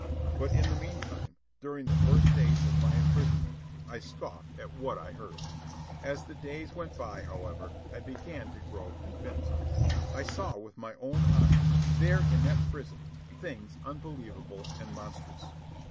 But in the meantime, during the first days of my imprisonment, I scoffed at what I heard. As the days went by, however, I began to grow convinced. I saw with my own eyes, there in that prison, things unbelievable and monstrous.